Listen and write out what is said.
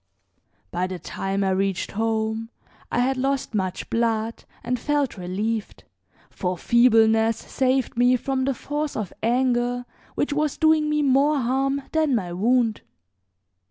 By the time I reached home I had lost much blood and felt relieved, for feebleness saved me from the force of anger which was doing me more harm than my wound.